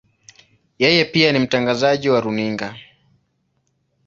Yeye pia ni mtangazaji wa runinga.